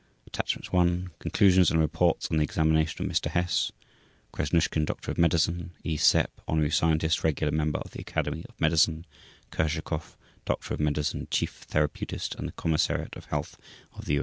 Attachments: I. Conclusions, and II. Report on the examination of Mr. Hess. /s/ KRASNUSHKIN Doctor of Medicine /s/ E. SEPP Honorary Scientist, Regular Member of the Academy of Medicine /s/ KURSHAKOV Doctor of Medicine, Chief Therapeutist of the Commissariat of Health of the U.